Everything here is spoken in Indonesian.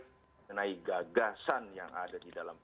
mengenai gagasan yang ada di dalam